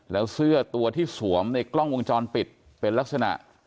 แล้วเสื้อตัวที่สวมในกล้องวงจรปิดเป็นลักษณะ